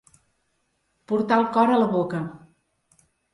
Portar el cor a la boca.